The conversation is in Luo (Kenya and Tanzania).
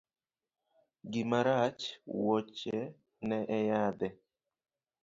Gima rach, wuoche ne e yadhe.